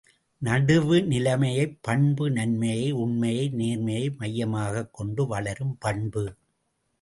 நடுவு நிலைமைப் பண்பு நன்மையை, உண்மையை, நேர்மையை மையமாகக்கொண்டு வளரும் பண்பு.